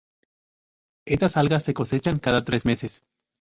Estas algas se cosechan cada tres meses.